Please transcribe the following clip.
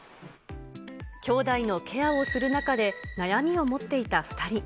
きょうだいのケアをする中で、悩みを持っていた２人。